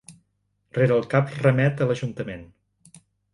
Rere el cap remet a l'ajuntament.